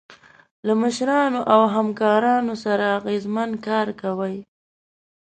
له مشرانو او همکارانو سره اغیزمن کار کوئ.